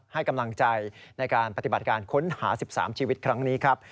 ให้กำลังใจในการปฏิบัติการค้นหา๑๓ชีวิตครั้งนี้ครับ